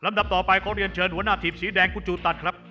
ดับต่อไปขอเรียนเชิญหัวหน้าทีมสีแดงคุณจูตันครับ